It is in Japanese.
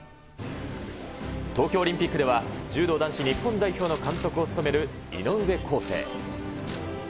東京オリンピックでは、柔道男子日本代表の監督を務める井上康生。